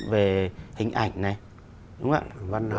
về hình ảnh này